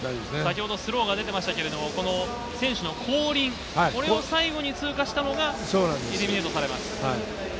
スローが出ていましたが、選手の後輪、これを最後に通過したのがエリミネイトされます。